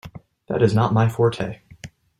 That is not my forte.